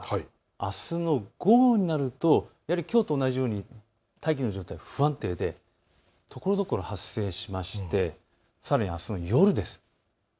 あすの午後になるとやはりきょうと同じように大気の状態、不安定でところどころ発生しましてさらにあすの夜です。